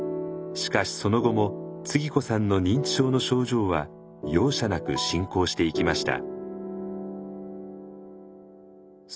しかしその後もつぎ子さんの認知症の症状は容赦なく進行していきました。